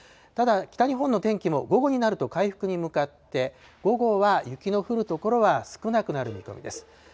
ただ、北日本の天気も午後になると回復に向かって、午後は雪の降る所は少なくなる見込みです。